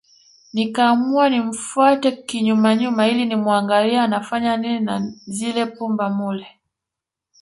Nikaamua nimfuate kinyuma nyuma ili nimuangalie anafanya nini na zile pumba mule